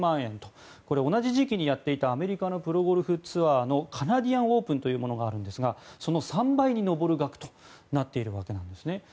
同じ時期にやっていたアメリカのプロゴルフツアーのカナディアン・オープンというものがあるんですがその３倍に上る額となっているわけなんですね。